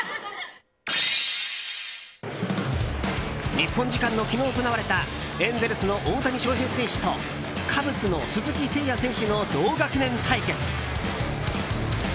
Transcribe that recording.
日本時間の昨日行われたエンゼルスの大谷翔平選手とカブスの鈴木誠也選手の同学年対決。